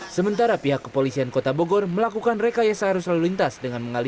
sementara pihak kepolisian kota bogor melakukan rekayasa arus lalu lintas dengan mengalihkan